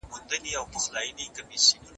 ایا استاد د شاګرد له موضوع سره موافق دی؟